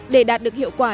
để đạt được hiệu quả